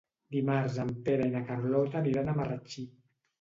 Dimarts en Pere i na Carlota aniran a Marratxí.